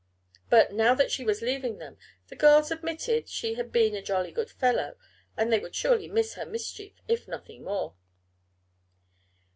But, now that she was leaving them, the girls admitted she had been a "jolly good fellow," and they would surely miss her mischief if nothing more.